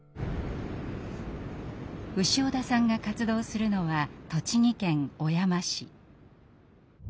潮田さんが活動するのは栃木県小山市。